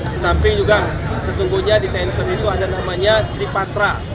di samping juga sesungguhnya di tenter itu ada namanya tripatra